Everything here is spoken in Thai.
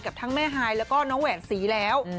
ทั้งแม่ฮายแล้วก็น้องแหวนศรีแล้ว